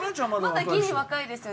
まだギリ若いですよ。